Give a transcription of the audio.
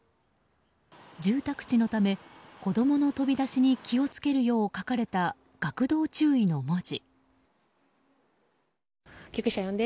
住宅地のため子供の飛び出しに気を付けるよう書かれた、学童注意の文字。